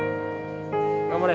頑張れ。